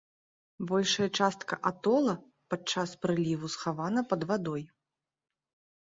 Большая частка атола падчас прыліву схавана пад вадой.